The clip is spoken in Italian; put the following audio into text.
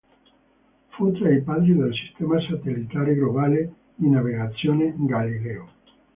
Fu tra i padri del sistema satellitare globale di navigazione "Galileo".